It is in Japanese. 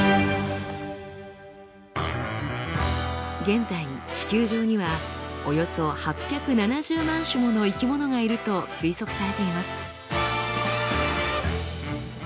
現在地球上にはおよそ８７０万種もの生き物がいると推測されています。